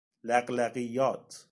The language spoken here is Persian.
لقلقیات